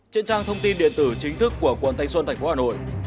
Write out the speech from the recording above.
trên trang thông tin điện tử chính thức của quận thanh xuân tp hà nội